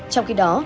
trong khi đó